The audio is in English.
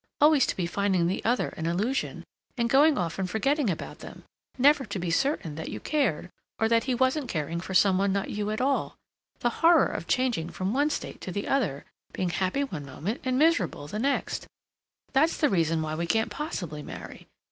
Always to be finding the other an illusion, and going off and forgetting about them, never to be certain that you cared, or that he wasn't caring for some one not you at all, the horror of changing from one state to the other, being happy one moment and miserable the next—that's the reason why we can't possibly marry.